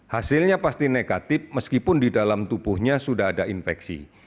hasilnya pasti negatif meskipun di dalam tubuhnya sudah ada infeksi